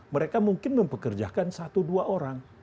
mereka mungkin mempekerjakan satu dua orang